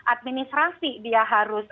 administrasi dia harus